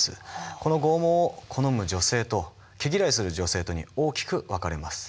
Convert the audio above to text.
この剛毛を好む女性と毛嫌いする女性とに大きく分かれます。